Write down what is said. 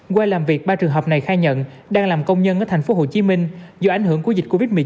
qua làm việc ba trường hợp này khai nhận đang làm công nhân ở tp hcm do ảnh hưởng của dịch covid một mươi chín